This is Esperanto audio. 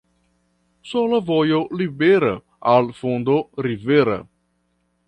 Sola vojo libera al la fundo rivera.